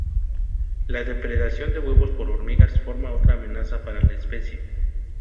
La depredación de huevos por hormigas forma otra amenaza para la especie.